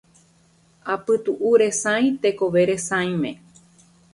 Apytuʼũ resãi tekove resãime.